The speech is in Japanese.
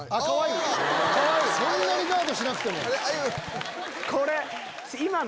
そんなにガードしなくても。